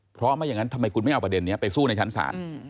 เพราะไม่อย่างนั้นทำไมคุณไม่เอาประเด็นนี้ไปสู้ในชั้นศาล